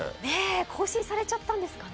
更新されちゃったんですかね。